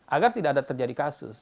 agar tidak ada terjadi kasus